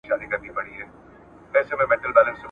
زه پر وزر باندي ویشتلی زاڼی ..